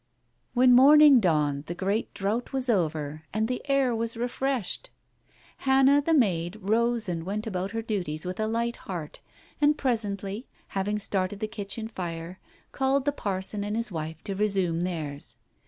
When morning dawned the great drought was over, and the air was refreshed. Hannah, the maid, rose and went about her duties with a light heart, and presently, having started the kitchen fire, called the parson and his wife to resume theirs.